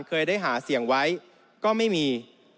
เคยได้หาเสียงไว้ก็ไม่มี